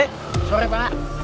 selamat sore pak